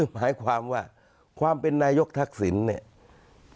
หมายความว่าความเป็นนายกทักศิลป์